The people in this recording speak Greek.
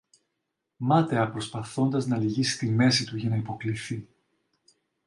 μάταια προσπαθώντας να λυγίσει τη μέση του για να υποκλιθεί.